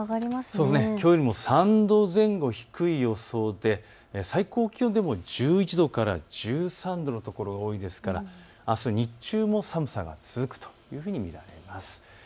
きょうよりも３度前後低い予想で最高気温でも１１度から１３度の所が多いですからあす日中も寒さが続くというふうに見られます。